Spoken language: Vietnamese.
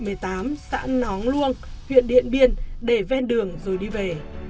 sáng ngày tám xã nóng luông huyện điện biên để ven đường rồi đi về